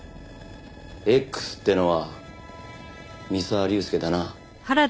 Ｘってのは三沢龍介だな？